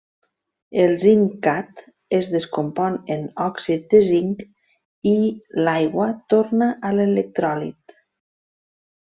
El zincat es descompon en òxid de zinc i l'aigua torna a l'electròlit.